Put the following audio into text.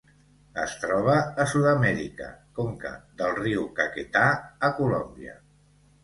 Es troba a Sud-amèrica: conca del riu Caquetá a Colòmbia.